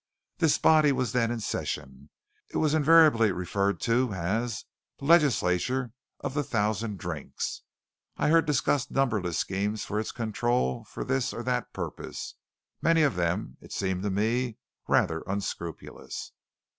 This body was then in session. It was invariably referred to as "The Legislature of the Thousand Drinks." I heard discussed numberless schemes for its control for this or that purpose; many of them, it seemed to me, rather unscrupulous.